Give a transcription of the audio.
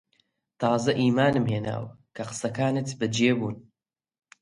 تازە ئیمانم هێناوە کە قسەکانت بەجێ بوون